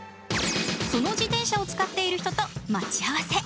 その自転車を使っている人と待ち合わせ。